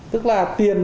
tức là tiền